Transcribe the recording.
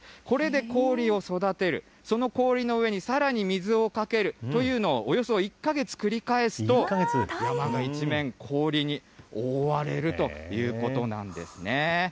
これで氷を育てる、その氷の上にさらに水をかけるというのをおよそ１か月繰り返すと、山が一面、氷に覆われるということなんですね。